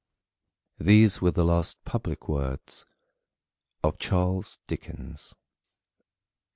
[These were the last public words of Charles Dickens.